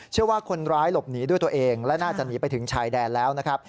เชื่อว่าคนร้ายหลบหนีด้วยตัวเองและน่าจะหนีไปถึงชายแดนแล้วนะครับ